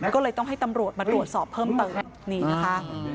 ก็เลยต้องให้ตำรวจมาตรวจสอบเพิ่มเติมนี่นะคะ